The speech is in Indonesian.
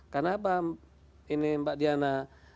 karena mbak diana